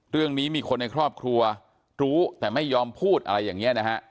เรื่องนี้มีคนในครอบครัวรู้แต่ไม่ยอมพูดอะไรอย่างนี้นะฮะ